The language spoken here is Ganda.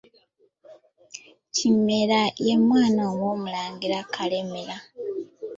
Kimera ye mwana w’omulangira Kalemeera.